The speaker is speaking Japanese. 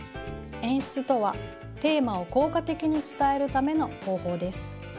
演出とはテーマを効果的に伝えるための方法です。